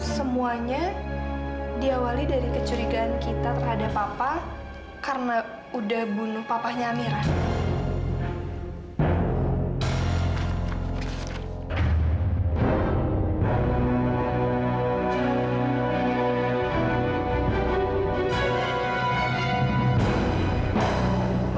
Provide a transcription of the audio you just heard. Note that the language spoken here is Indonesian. semuanya diawali dari kecurigaan kita terhadap papa karena udah bunuh papahnya amira